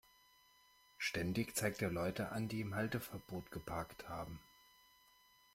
Ständig zeigt er Leute an, die im Halteverbot geparkt haben.